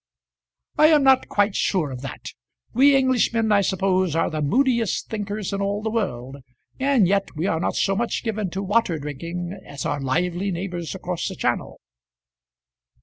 "I am not quite sure of that. We Englishmen I suppose are the moodiest thinkers in all the world, and yet we are not so much given to water drinking as our lively neighbours across the Channel."